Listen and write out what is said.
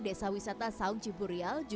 desa wisata saung ciburial